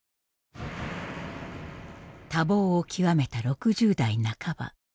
多忙を極めた６０代半ば。